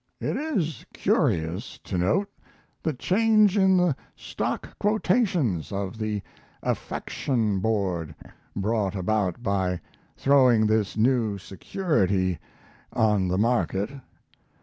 It is curious to note the change in the stock quotations of the Affection Board brought about by throwing this new security on the market.